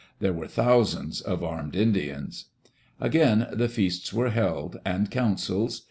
There were thousands of armed Indians. Again the feasts were held, and councils.